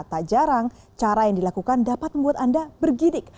tak jarang cara yang dilakukan dapat membuat anda bergidik